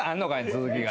続きが。